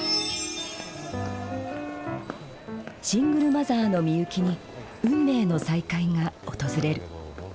シングルマザーのミユキに運命の再会が訪れる。